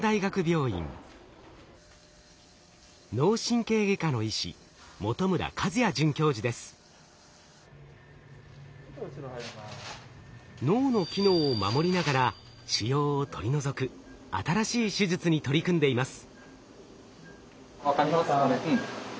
脳神経外科の医師脳の機能を守りながら腫瘍を取り除く新しい手術に取り組んでいます。